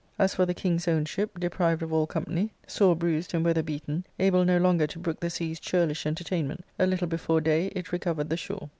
As for the king's own ship, deprived of all company, sore bruised, and weather beaten, able no longer to brook the sea's churlish entertainment, a little before day it reco vered the shore.